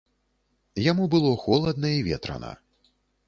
Яму было холадна і ветрана.